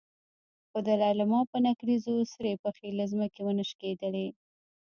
خو د لېلما په نکريزو سرې پښې له ځمکې ونه شکېدلې.